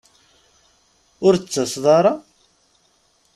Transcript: Ur d-tettaseḍ ara?